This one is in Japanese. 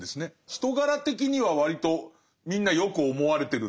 人柄的には割とみんなよく思われてるんだ。